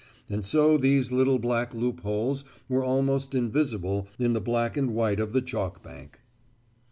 And so these little black loopholes were almost invisible in the black and white of the chalk bank.